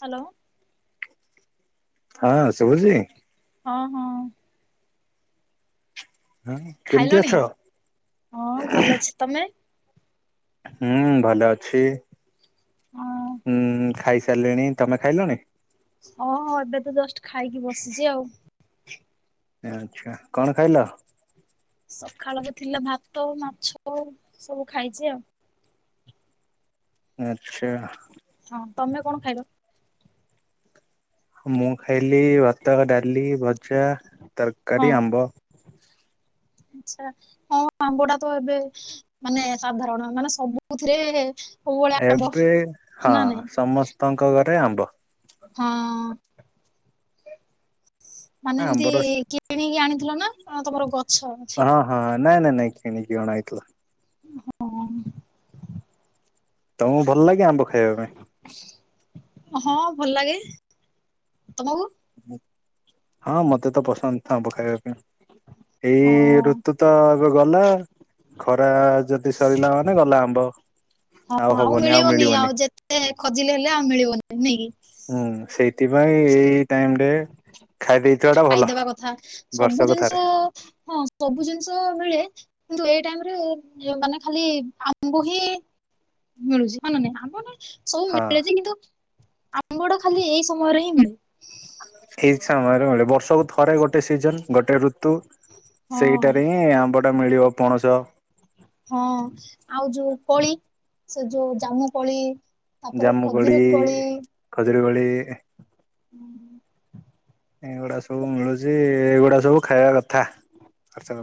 Hello. ହଁ ଶୁଭୁଛି। ହ ହ। ହଁ କେମିତି ଖାଇଲଣି ଅଛ? ହଁ ଭଲ ଅଛି ତମେ? ହୁଁ ଭଲ ଅଛି। ହଁ ହୁଁ ଖାଇ ସ ସାଇଲିଣି ତମେ ଖାଇଲଣି? ହଁ ଏବେ ତ ଜଷ୍ଟ ଖାଇକି ବସିଚି ଆଉ। ଆଚ୍ଛା କଣ ଖାଇଲ? ସକାଳର ଥିଲା ଭାତ ମାଛ ଏ ସବୁ ଖାଇଚି ଆଉ। ଆଚ୍ଛା। ହଁ ତମେ କଣ ଖାଇଲ? ମୁଁ ଖାଇଲି ଭାତ ଡାଲି ଭଜା ତରକାରୀ ଆମ୍ବ। ଆଛା ହଁ ଆମ୍ବଟା ତ ଏବେ ମାନେ ସାଧାରଣ ମାନେ ସବୁଥିରେ ସବୁବେଳେ ଆମ୍ବ ଏବେ ହଁ ନା ନାଇଁ ସମସ୍ତଙ୍କ ଘରେ ପ୍ରାଏ ଆମ୍ବ। ହଁ। ମାନେ ଏମତି ଆମ୍ବର କିଣିକି ଆଣିଥିଲ ନା ତମର ଗଛ ଅଛି? ହଁ ହଁ ନାଇଁ ନାଇଁ ନାଇଁ କିଣିକି ଅଣା ହେଇଥିଲା। ହଁ। ତମକୁ ଭଲ ଲାଗେ ଆମ୍ବ ଖାଇବା ପାଇଁ? ହଁ ଭଲ ଲାଗେ ତମକୁ? ହଁ ମତେ ତ ପସନ୍ଦ ଆମ୍ବ ଖାଇବାକୁ। ହଁ ଏଇ ଋତୁ ତ ତ ଗଲା ଖରା ଯଦି ସରିଲା ମାନେ ଗଲା ଆମ୍ବ। ହଁ ଆଉ ମିଳିବନି ଆଉ ଯେତେ ଖୋଜିଲେ ହେଲେ ଆଉ ମିଳିବନି ନୁହେଁ କି? ହୁଁ ସେଇ ଖାଇ ଦେଇଥିବା ଟା ଭଲ ଖାଇଦବା କଥା ସବୁ ବର୍ଷକୁ ଥରେ। ଜିନିଷ ହଁ ସବୁ ଜିନିଷ ମିଳେ କିନ୍ତୁ ଏ ଏ ଟାଇମ୍ ରେ ଯୋଉ ମାନେ ଖାଲି ଆମ୍ବ ହିଁ ମିଳୁଚି ହଁ ନା ନାଇଁ ଆମ ସବୁ ହଁ ମିଳେଯେ କିନ୍ତୁ ଆମ୍ବଟା ଖାଲି ଏଇ ସମୟରେ ହିଁ ମିଳେ। ଏଇ ସମୟରେ ମିଳେ ବର୍ଷକୁ ଥରେ ଗୋଟେ ସିଜନ୍ ଗୋଟେ ରୁ ତୁ ହଁ ସେଇଟାରେ ହିଁ ଆମ୍ବ ଟା ମିଳିବ ପଣସ ହଁ ଆଉ ଯୋଉ କଳି ସେ ଯୋଉ ଜାମୁ କଳି ଜାମୁକଳି ଖଯୁ ପ ବଳି ହୁଁ। ଏଗୁଡା ସବୁ ମିଳୁଛି ଏଗୁଡା ସବୁ ଖାଇବା କଥା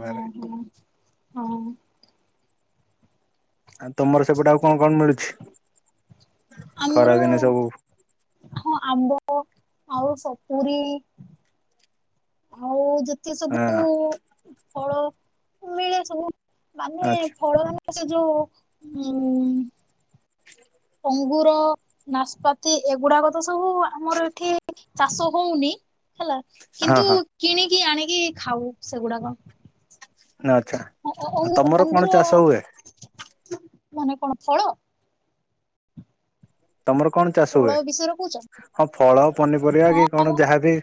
ହଁ ହଁ ହଁ। ଆଉ ତମର ସେପଟେ ଆଉ କଣ କଣ ମିଳୁଛି। ଖରା ଆମର ଦିନେ ସବୁ ହଁ ଆମ୍ବ ଆଉ ସପୁରୀ ଆଉ। ଯେତେ ସବୁ ହଁ। ଫଳ ମିଳେ ସବୁ ମାନେ ଆଚ୍ଛା ଫଳ ମାନ ଯୋ ଉଁ ଅଙ୍ଗୁର ନାସପାତି ଏଗୁଡାକ ତ ସବୁ ଆମର ଏଠି ଚାଷ ହଉନି ହେଲା ହଁ କିନ୍ତୁ ହଁ କିଣ କି ଆଣିକି ଖାଉ ସେଗୁଡାକ ଆଛା ଆଉ ତମର ଅଙ୍ଗୁର କଣ ଚାଷ ହୁଏ। ମାନେ କଣ ଫଳ ତମର କଣ ଚାଷ ଫଳ ହୁଏ ବିଷୟରେ କହୁଛ ହଁ ଫଳ ପନିପରିବା ହଁ କି କଣ ଯାହାବି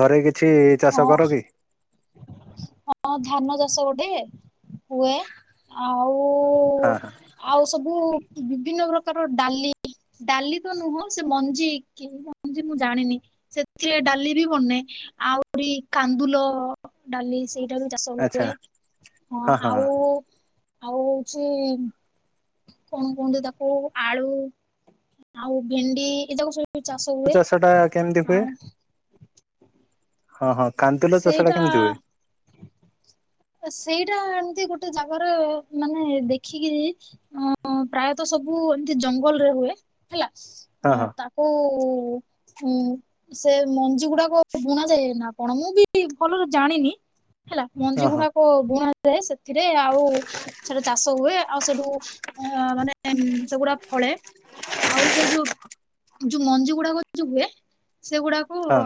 ଘରେ କିଛି। ହଁ ଚାଷ କର କି ହଁ ଧାନ ଚାଷ ଗୋଟେ ହୁଏ ଆଉ ହଁ ଆଉ ସବୁ ବିଭିନ୍ନ ପ୍ରକାର ଡାଲି ଡାଲି ତ ନୁହଁ ସେ ମଞ୍ଜି କି ମଞ୍ଜି ମୁଁ ଜାଣିନି ସେଥିରେ ଡାଲି ବି ବନେ ଆହୁରି କାନ୍ଦୁଲ ଡାଲି ସେ ଲ ଚାଷ ଆଚ୍ଛା ହୁଏ ହଁ ଆଉ ଆଉ ହଉଛି। କଣ କୁହନ୍ତୁ ତାକୁ ଆଳୁ ଆଉ ଭେଣ୍ଡି ଏଯାକ ପଚାଶହ ଟା କେମିତି ହୁଏ? ହଁ ହଁ। କାନ୍ଦୁଲ ଚାଷ ଟା ସେଇଟା କେମିତି ହୁଏ? ଆ ସେଇଟା ସେ ଗୋଟେ ଜାଗାରେ ମାନେ ଦେଖିକି ଅ ପ୍ରାୟତଃ ସବୁ ଏମିତି ଜଙ୍ଗଲରେ ହୁଏ ହେଲା ହଁ ତାକୁ ହୁ ହୁଁ ସେ ମଞ୍ଜି ଗୁଡାକ ବୁଣା ଯାଏ ନା କଣ ମୁଁ ବି ଭଲରେ ଜାଣିନି। ହେଲା ମଞ୍ଜି ହଁ ଗୁଡାକ ବୁଣା ହୁଏ ସେ ଏଥିରେ ଆଉ ସେଟା ଚାଷ ହୁଏ। ଆଉ ସେଠୁ ଅ ମାନେ ମ୍ ସେଗୁଡା ଫଳେ ଆଉ ସେ ଯୋଉ ଯୋଉ ମଞ୍ଜିୁ ଗୁଡାକ ଯୋଉ ହୁଏ। ସେଗୁଡାକୁ ହଁ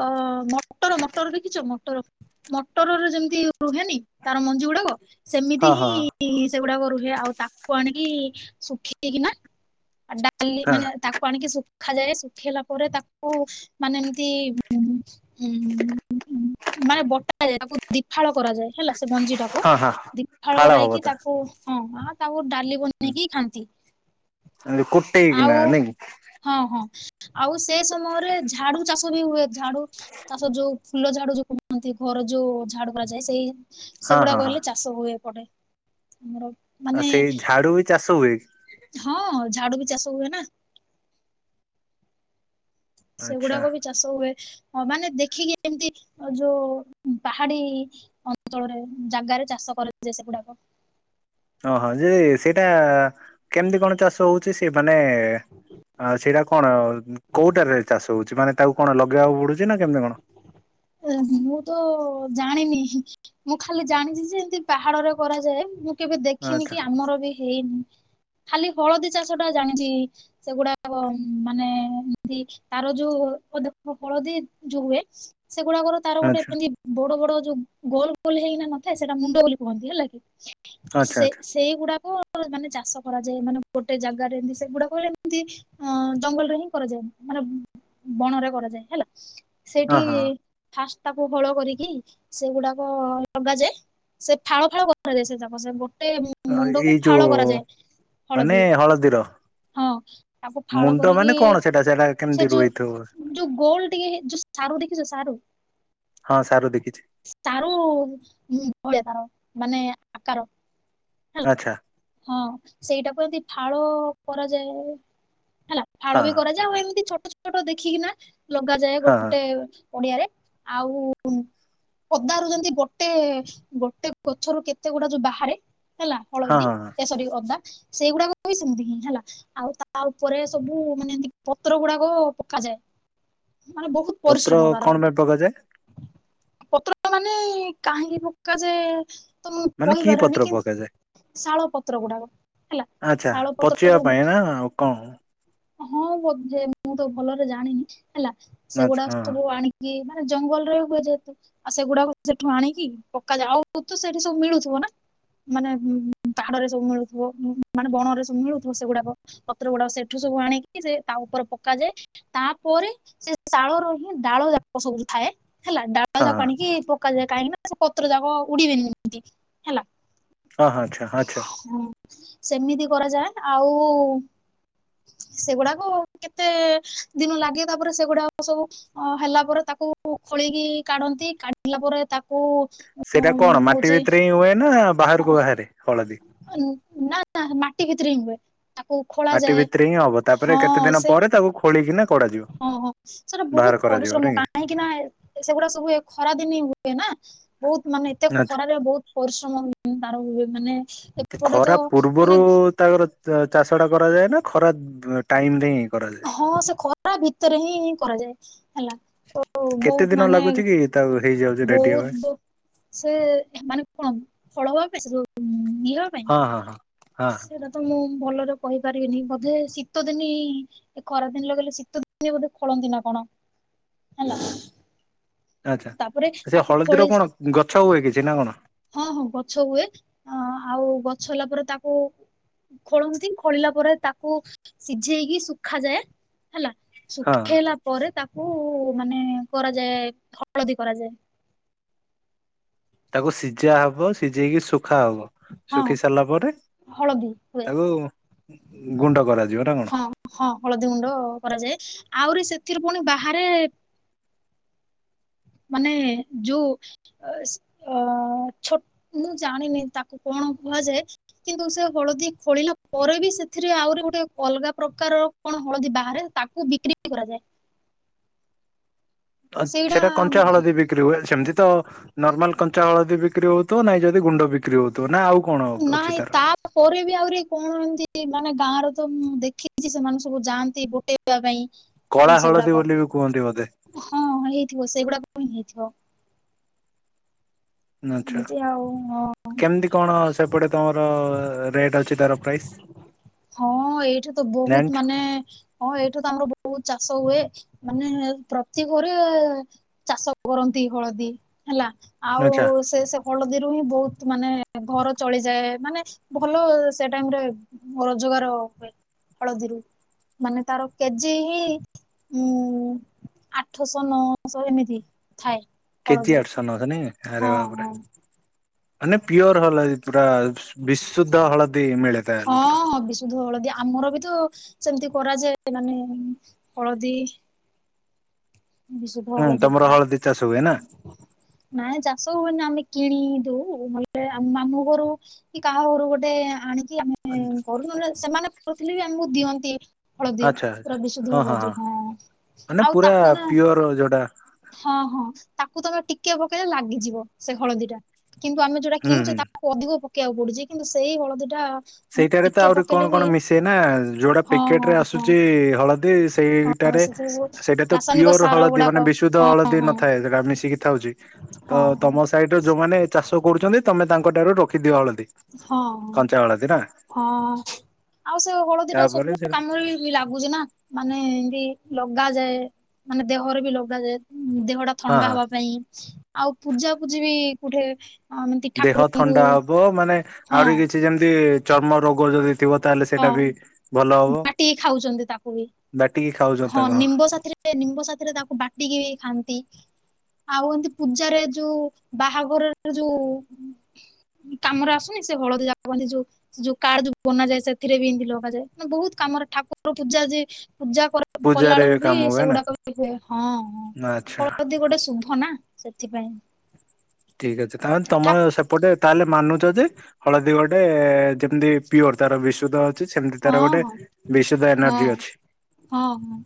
ଅ ଅ ମଟର ମଟର ଦେଖିଚ ମଟର ମଟରରେ ଯେମତି ରୁହେନି ତାର ମଞ୍ଜି ଗୁଡାକ। ସେମିତି ହଁ ହଁ ହିଁ ସେଗୁଡାକ ରୁହେ ଆଉ ତାକୁ ଆଣିକି ଶୁଖେଇକିନା ଡା ଖାଲି ହଁ ହଁ ମାନେ ତାକୁ ଆଣିକି ସୁଖ ଖାଲରେ ଶୁଖିଗଲା ପରେ ତାକୁ ମାନେ ଏମତି ହୁଁ ଉଁ [unintelligible] ମାନେ ବଟାଯାଏ ତାକୁ ଦିଫାଳ କରାଯାଏ ହେଲା। ସେ ମଞ୍ଜିଟାକୁ ହଁ ହଁ। ଦିଫାଳ ଫାଳ କରା ହବ ହେଇକି ତା ତାକୁ ହଁ ତାକୁ [unintelligible] ଡାଲି ବନେଇକି ଖାଆନ୍ତି କୁଟେଇକିନା ଆଉ ନାଇଁ କି ହଁ ହଁ। ଆଉ ସେ ସମୟରେ ଝାଡୁ ଚାଷ ବି ହୁଏ ଝାଡୁ। ଚାଷ ଯୋଉ ଫୁଲ ଝାଡୁ ଯୋଉ କୁହନ୍ତି ଘର ଯୋଉ ଝାଡୁ କରାଯାଏ। ସେଇ ହଁ ହଁ ସେଗୁଡାକ ହଁ। ହେଲେ ଚାଷ ହୁଏ ଏପଟେ। ଆମର ମାନେ ଆଉ ସେଇ ଝାଡୁ ବି ଚାଷ ହୁଏ। ହଁ ଝାଡୁ ବି ଚାଷ ହୁଏ ନାଁ। ଆଚ୍ଛା ସେଗୁଡାକ ବି ଚାଷ ହୁଏ। ହଁ ମାନେ ଦେଖିକି ଏମତି ଯୋଓ ପାହାଡି ଅଞ୍ଚଳରେ ଜାଗାରେ ଚାଷ କରାଯାଏ ସେଗୁଡାକ। ହଁ ହଁ ଯେ ସେଇଟା କେମିତି କଣ ଚାଷ ହୋଉଚି ସେ ପା ମାନେ ଆଁ ସେଇଟା କଣ ଆଉ ଉଁ କୋଉଟାରେ ଚାଷ ହୋଉ ମାନେ ତାକୁ କଣ ଲଗେଇବାକୁ ପଡୁଚି ନା କେମିତି କଣ? ଏନ୍ତି ମୁଁ ତ ଜାଣିନି ମୁଁ ଖାଲି ଜାଣିଚି ଯେ ଏନ୍ତି ପାହାଡରେ କରାଯାଏ ମୁଁ କେବେ ଦେଖିନି ଆଚ୍ଛା କି ଆମର ବି ହେଇନି। ଖାଲି ହଳଦୀ ଚାଷଟା ଜାଣିଛି ସେଗୁଡା଼ ମାନେ ଏମିତି ତାର ଯୋଉ ହଳଦୀ ଯୋଉ ହୁଏ ସେଗୁଡାକର ତାର ଗୋଟେ ଆଚ୍ଛା ଏମତି ବଡ଼ ବଡ଼ ଯୋଉ ଗୋଲ ଗୋଲ ହେଇ ନଥାଏ ସେଟା ମୁଣ୍ଡ ବୋଲି କୁହନ୍ତି ହେଲା କି ଆଚ୍ଛା ସେ ଆଚ୍ଛା ସେଇଗୁଡା଼କୁ ମାନେ ଚାଷ କରାଯାଏ ମାନେ ଗୋଟେ ଜାଗାରେ ଏମିତି ସେଗୁଡାକ ଏମତି ଜଙ୍ଗଲରେ ହିଁ କରାଯାଏ ମାନେ ବଣରେ କରାଯାଏ ହେଲା ହଁ ଫାସ୍ ତାକୁ ଫୋଳ କରିକି ସେଗୁଡାକ ଲଗାଯାଏ ସେ ଫାଳ ଫାଳ କରାଯାଏ ସେ ଯାକ ସେ ଗୋଟେ ହଁ ଏଇ ମୁଣ୍ଡକୁ ଯୋଉ ଫାଳ କରାଯାଏ ମାନେ ହଳଦୀ ହଳଦୀର ହଁ ତାକୁ ଫାଳ ମୁଣ୍ଡ ମାନେ କରିକି କଣ ସେଟା ସେଟା ସେ କେମିତି ଯୋଉ ରୁଇଥିବ ଯୋଉ ଗୋଲ ଟିକେ ସାରୁ ଦେଖିଛୁ ସାରୁ? ହଁ ସାରୁ ଦେଖିଛି [unintelligible] ମାନେ ଆକାର ହେଲା ଆଚ୍ଛା ହଁ ସେଇଟାକୁ ଯଦି ଫାଳ କରାଯାଏ। ହେଲା ହଁ ଫାଳ ବି କରାଯାଏ ଆଉ ଏମିତି ଛୋଟ୍ ଫୋଟ ଦେଖିକିନା ଲଗାଯାଏ ହଁ ହଁ ଗୋଟେ ପଡିଆରେ ଆଉ ପଦାରୁ ଯେମିତି ଗୋଟେ ଗୋଟେ ଗଛରୁ କେତେ ଗୁଡା଼ ଯୋଉ ବାହାରେ ହେଲା ହଁ ହଳଦୀ ହଁ ହଁ ସରି ଅଦା ସେଇଗୁଡା କହି ସେମିତି ହେଲା ଆଉ ତା ଉପରେ ସବୁ ମାନେ ଏମତି ପତ୍ର ଗୁଡାକ ପକାଯାଏ। ମାନେ ବହୁତ ପତ୍ର ପରିଶ୍ରମ ତାର କଣ ପାଇଁ ପକାଯାଏ? ପତ୍ର ମାନେ କାହିଁକି ପକା ଯାଏ ମାନେ କି ପତ୍ର ପକାଯାଏ? ଶାଳ ପତ୍ର ଗୁଡାକ ହେଲା ଆଚ୍ଛା ଶାଳ ପଚିବା ପତ୍ର ପାଇଁ ନା ଆଉ କଣ ହଁ ବୋଧେ ମୁଁ ତ ଭଲରେ ଜାଣିନି। ହେଲା ଆଚ୍ଛା ସେଗୁଡା ହଁ ସବୁ ଆଣିକି ଜଙ୍ଗଲରେ ହୁଏ ଯେହେତୁ ଆଉ ସେଗୁଡାକ ସେଠୁ ଆଣିକି ପକାଯାଏ ଆଉ ତୁ ସେଠି ସବୁ ମିଳୁଥିବ ନା ମାନେ ପାହାଡ଼ରେ ସବୁ ମିଳୁଥିବ ମାନେ ବଣ ରେ ସବୁ ମିଳୁଥିବ ସେଗୁଡାକ ପତ୍ର ଗୁଡାକ ସେଠୁ ସବୁ ଆଣିକି ସେ ତା ଉପରେ ପକାଯାଏ। ତାପରେ ସେ ଶାଳର ହିଁ ଡାଳ ଜାକ ସବୁ ଥାଏ। ହେଲା ଡାଳ ହଁ ଜାକ ହଁ ଆଣିକି ପକାଯାଏ। କାହିଁକି ନା ସେ ପତ୍ର ଯାକ ଉଡିବେନି ଏମିତି ହେଲା। ଆଛା। ସେମିତି କରାଯାଏ। ଆଉ ସେଗୁଡାକ କେତେ ଦିନ ଲାଗେ ତାପରେ ସେଗୁଡାକ ସବୁ ହେଲା ପରେ ତାକୁ ଖୋଳିକି କାଢ଼ନ୍ତି କାଢି଼ଲା ପରେ ତାକୁ ସେଇଟା କଣ ମାଟି ହଉଛି ଭିତରେ ହିଁ ହୁଏ ନା ବାହାରକୁ ବାହାରେ ହଳଦୀ ସେଥିରେ ହିଁ ହୁଏ। ତାକୁ ଖୋଳା ମାଟି ଯାଏ ଭିତରେ ହିଁ ହବ ତାପରେ ହଁ କେତେ ଦିନ ସେ ପରେ ତାକୁ ଖୋଳିକିନା କଢାଯିବ ହଁ ହଁ ସେଟା ବାହାର ବହୁତ କରାଯିବ ପରିଶ୍ରମ ନାଇଁ କି କାହିଁକି ନା ସେଗୁଡା ସବୁ ଖରାଦିନ ହିଁ ହୁଏ ନା ବହୁତ ମାନେ ଏତେ ଆଚ୍ଛା ଖରାରେ ବହୁତ ପରିଶ୍ରମ ହୁ। ତାର ମାନେ ଖରା ମାନେ ପୂର୍ବରୁ ତାଙ୍କର ତ ଚାଷ ଟା କରାଯାଏ ନା ଖରାପ ଟାଇମରେ ହିଁ। କରାଯାଏ। ହଁ ସେ ଖରା ଭିତରେ ହିଁ କରାଯାଏ ହେଲା ତ କେତେ ବହୁତ ଦିନ ମାନେ ଲାଗୁଛି କି ତାକୁ ହେଇଯାଉଛି ରେଡି ହବା ପାଇଁ? ବହୁତ ସେ ମାନେ କଣ ଫଳ ଭାବେଶ ପିଇବା ବା ହଁ ହଁ ହଁ ପାଇଁ ହଁ ସେଟା ତ ମୁଁ ଭଲରେ କହିପାରିବିନି ବୋଧେ ଶୀତ ଦିନି ଏ ଖରା ଦିନ ଲଗେଇଲେ ଶୀତ ଦିନ ବୋଧେ ଖୋଳନ୍ତି ନା କଣ ହେଲା। ଆଚ୍ଛା ତାପରେ ସେ ତାକୁ ହଳଦୀର ଖୋଳି କଣ ଗଛ ହୁଏ କିଛି ନା କଣ? ହଁ ହଁ ଗଛ ହୁଏ ଆଉ ଗଛ ହେଲା ପରେ ତାକୁ ଖୋଳନ୍ତି ଖୋଳିଲା ପରେ ତାକୁ ସିଝେଇକି ଶୁଖାଯାଏ ହେଲା। ହଁ ଶୁଖେଇଲା ପରେ ତାକୁ ମାନେ କରାଯାଏ। ହଳଦି କରାଯାଏ। ତାକୁ ସି ସିଝା ହବ ସିଝେଇକି ଶୁଖା ହବ ହଁ ଶୁଖି ସାରିଲା ପରେ ହଳଦୀ ହୁଏ ତାକୁ ଗୁଣ୍ଡ କରାଯିବ ନା କଣ? ହଁ ହଁ ହଳଦୀ ଗୁଣ୍ଡ କରାଯାଏ ଆହୁରି ସେଥିରୁ ପୁଣି ବାହାରେ ମାନେ ଯୋଉ ଅ ଛୋ ମୁଁ ଜାଣିନି ତାକୁ କଣ କୁହାଯାଏ କିନ୍ତୁ ସେ ହଳଦୀ ଖୋଳିଲା ପରେ ବି ସେଥିରେ ଆହୁରି ଗୋଟେ ଅଲଗା ପ୍ରକାରର କଣ ହଳଦୀ ବାହାରେ ତାକୁ ବିକ୍ରି କରାଯାଏ। ସେଇଟା ସେଟା କଞ୍ଚା ହଳଦୀ ବିକ୍ରି ହୁଏ ସେମିତି ତ ନର୍ମାଲ କଞ୍ଚା ହଳଦୀ ବିକ୍ରି ହଉୁ ନାଇଁ ଯଦି ଗୁଣ୍ଡ ବିକ୍ରି ହଉ ନା ଆଉ କଣ ଅଛି ନାଇଁ ତାର? ତାପରେ ବି ଆହୁରି କଣ ଅଛି। ମାନେ ଗାଁ ର ତ ମୁଁ ଦେଖିଛି ସେମାନେ ସବୁ ଯାଆନ୍ତି ବୁଟେଇବା କଳା ପାଇଁ ହଳଦୀ ସେଗୁଡାକ ବୋଲି ବି କୁହନ୍ତି ବୋଧେ ହଁ ହେଇଥିବ ସେଗୁଡା ନିଛ [inaudible] ଆଛା ଆଉ। କେମିତି କଣ ସେପଟେ ତମର ରେଟ୍ ଅଛି ତାର ପ୍ରାଇସ୍ ହଁ ଏଇଠା ତ ବହୁତ ଜାଣିଛ ମାନେ ହଁ ଏଇଠା ତ ଆମର ବହୁତ୍ ଚାଷ ହୁଏ ମାନେ ପ୍ରତି ଘରେ ଚାଷ କରନ୍ତି ହଳଦୀ ହେଲା ଆଉ ଆଚ୍ଛା ସେ ହଳଦୀରୁ ହିଁ ବହୁତ ମାନେ ଘର ଚଳିଯାଏ ମାନେ ଭଲ ସେ ଟାଇମରେ ରୋଜଗାର ହୁଏ ହଳଦୀରୁ ମାନେ ତାର କେଜି ହିଁ ଉ ଆଠଶହ ନଅଶହ ଏମିତି ଥାଏ କେଜି ହଳଦୀରେ। ଆଠଶହ ନଶହ ନାଇଁ କି ଆରେ ହଁ ବାପ ରେ। ହଁ ମାନେ ପିଓର ହଲା ଯେ ପୁରା ବିଶୁଦ୍ଧ ହଳଦ ହଁ ହଁ ବିଶୁଦ୍ଧ ହଳଦୀ ଆମର ବି ତ ସେମିତି କରାଯାଏ ମାନେ ହଳଦୀ ବିଶୁଦ୍ଧ ହୁଁ ହଳଦୀ ତମର ପୁରା ଚାଷ ହୁଏ ନା ନାଇ ଚାଷ ହୁଏନି ଆମେ କିଣି ଦଉ ନହେଲେ ଆମ ମାମୁଁ ଘରୁ କି କାହା ଘରୁ ଗୋଟେ ଆଣି ଆମେ କରୁ ଉ ସେମାନେ କରୁଥିଲେ ବି ଆମେ ମକୁ ଦିଅନ୍ତି। ହଳଦୀ ପୁରା ବିଶୁଦ୍ଧ ହଳଦୀ ହଁ ମାନେ ଆଉ ତା ପୁରା ହଁ ପିଓର ଯୋଉଟା ହଁ ହଁ ତାକୁ ତମେ ଟିକେ ପକେଇଲେ ଲାଗିଯିବ ସେ ହଳଦୀ ଟା। କିନ୍ତୁ ଆମେ ଯଉଟା ହୁଁ କିଣୁଚେ ହୁଁ। ତାକୁ ଅଧିକ ପକେବାକୁ ପଡୁଚି କିନ୍ତୁ ସେଇ ହଳଦୀ ଟା ମାନେ ସେଇଟାରେ ତ ଟିକେ ଆହୁରି ପକେଇଲେ କଣ ବି କଣ ମିଶେଇ ନା ଯୋଉଟା ହଁ ପ୍ୟାକେଟ ହଁ ରେ ଆସୁଚି ହଳଦୀ ଦି ହଁ ସେଇଟାରେ ସେଥିରେ ସବୁ ସେଇଟା ତ ରାସାୟନିକ ପିଓର ସାର ହଳଦୀ ଗୁଡାକ ମାନେ ବିଶୁଦ୍ଧ ହଁ ହଳଦୀ ହଁ ନଥାଏ ସେଟା ମିଶିକି ଥାଉଚି ହଁ ତ ହଁ ତମ ସାଇଡ ଯୋଉମାନୋନ ଚାଷ କରୁଚନ୍ତି ତମେ ତାଙ୍କ ଠାରୁ ରଖିଦିଆ ହଳଦୀ ହଁ କଞ୍ଚା ହଳଦୀ। ନା ହଁ ଆଉ ସେ ହଳଦୀ ଟା ତାପରେ ସବୁ ସେଟା କାମରେ ଵି ଲାଗୁଚି ନା ମାନେ ଏମିତି ଲଗାଯାଏ ମାନେ ଦେହରେ ବି ଲଗାଯାଏ। ଉଁ ଦେହ ଟା ହଁ ଥଣ୍ଡା ହଁ ହବା ପାଇଁ। ଆଉ ପୂଜା ପୂଜି ବି କୋଠେ ଦେହ ଥଣ୍ଡା ହବ ମାନେ ହଁ ଆହୁରି କିଛି ଯେମିତି ଚର୍ମ ରୋଗ ଯଦି ଥିବ ତାହେଲେ ହଁ ସେଇଟା ବି ଭଲ ହବ ବାଟିକି ଖାଉଛନ୍ତି ତାକୁ ବି ବାଟି ହଁ ନିମ୍ବ ସାଥିରେ ନିମ୍ବ ସାଥିରେ ତାକୁ ବାଟିକି ବି ଖାଆନ୍ତି। ଆଉ ଏମିତି ପୂଜାରେ ଯୋଉ ବାହାଘରରେ ଯୋଉ କାମରେ ଆସୁନି ସେ ହଳଦୀ ଯାଗ ଏ ଯୋଉ ଯୋଉ କାଡ ଯୋଉ କାର୍ଡ ବନାଯାଏ। ସେଥିରେ ବି ଏମିତି ଲଗାଯାଏ ମାନେ ବହୁତ କାମରେ ଠାକୁର ପୂଜା ଯେ ପୂଜା ପୂଜାରେ କଲାଳୁକୁ ବି କାମ ହୁଏ ନା ସେଗୁଡାକ ବି ହୁଏ ହଁ ହଁ ଆଚ୍ଛା ହଳଦୀ ଗୋଟେ ଶୁଭନା। ସେଥିପାଇଁ ଠିକ ଅଛି ତା ଠା ତମର ସେପଟେ ତାହେଲେ ମାନୁଚ ଯେ ହଳଦୀ ଗୋଟେ ବେ ଯେମିତି ପିଓର ତାର ବିଶୁଦ୍ଧ ଅଛି ସେମିତି ହଁ ତାର ଗୋଟେ ହଁ ବିଶୁଦ୍ଧ ହଁ ଏନର୍ଜି ଅଛି ହଁ ହଁ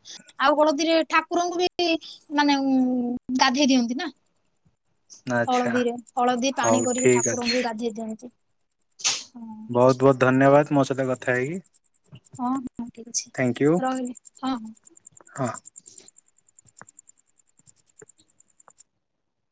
ଆଉ ହଳଦୀରେ ଠାକୁରଙ୍କୁ ବି ବି ମାନେ ଉଁ ଗାଧେଇ ଦିଅନ୍ତି ନା। ଆଚ୍ଛା ହଳଦୀରେ ହଳଦୀ ହଉ ପାଣି କରିକି ଠାକୁରଙ୍କୁ ବି ଗାଧେଇ ଦିଅନ୍ତି। ହଁ ବୋହୁତ ବୋହୁତ ଧନ୍ୟବାଦ। ମୋ ସହିତ କଥା ହେଇକି ହଁ ହଁ ଠିକ ଅଛି ରହିଲି ହଁ। ଥାଙ୍କ୍ୟୁ ହଁ। [unintelligible]